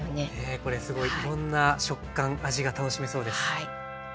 これすごいいろんな食感味が楽しめそうです。